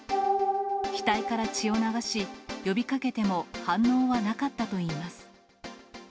額から血を流し、呼びかけても反応はなかったといいます。